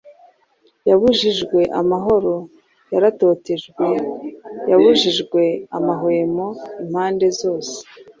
yabujijwe amahoro,” “yaratotejwe,” “yabujijwe amahwemo impande zose,